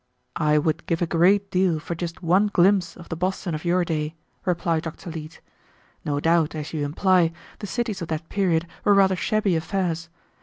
"I would give a great deal for just one glimpse of the Boston of your day," replied Dr. Leete. "No doubt, as you imply, the cities of that period were rather shabby affairs.